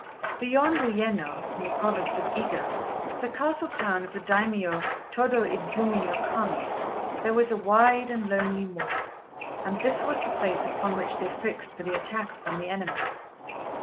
Beyond Uyéno, in the province of Iga, the castle town of the Daimio Tôdô Idzumi no Kami, there is a wide and lonely moor; and this was the place upon which they fixed for the attack upon the enemy.